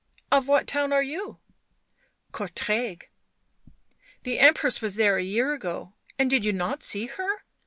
" Of what town are you ?"" Courtrai." " The Empress was there a year ago — and you did not see her